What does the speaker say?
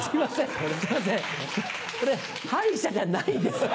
それ歯医者じゃないです。